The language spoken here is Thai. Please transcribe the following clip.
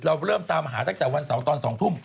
เราเริ่มตามหาตั้งแต่วันเสาร์ตอน๒ทุ่ม